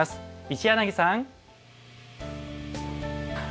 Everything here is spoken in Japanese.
一柳さん！